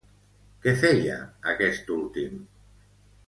Què feia, aquest últim?